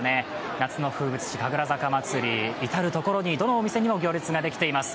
夏の風物詩、神楽坂まつり、至るところに、どのお店にも行列ができています。